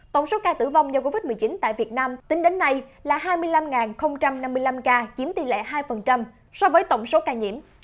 tổng số ca tử vong do covid một mươi chín tại việt nam tính đến nay là hai mươi năm năm mươi năm ca chiếm tỷ lệ hai so với tổng số ca nhiễm